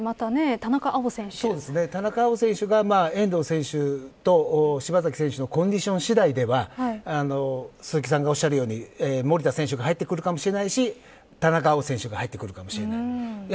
田中碧選手が遠藤選手と柴崎選手のコンディション次第では鈴木さんがおっしゃるように守田選手が入ってくるかもしれないし田中碧選手が入ってくるかもしれない。